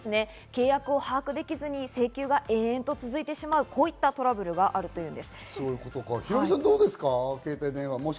契約を把握できずに請求が延々と続いてしまうトラブルがあるといヒロミさん、どうですか？